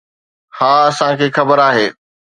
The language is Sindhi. ها اسان کي خبر آهي.